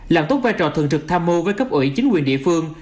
làm tốt vai trò thường trực tham mưu với cấp ủy chính quyền địa phương